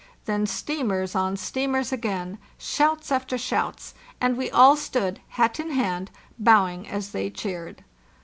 Then steamers on steamers again, shouts after shouts; and we all stood, hat in hand, bowing as they cheered.